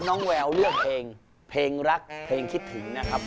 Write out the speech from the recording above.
แววเลือกเพลงเพลงรักเพลงคิดถึงนะครับ